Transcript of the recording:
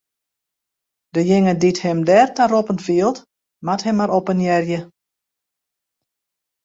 Dejinge dy't him derta roppen fielt, moat him mar oppenearje.